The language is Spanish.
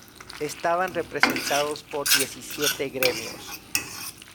Estaban representados por diecisiete gremios.